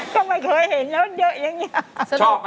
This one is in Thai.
ก็ไม่เคยเห็นรสเยอะอย่างนี้ครับ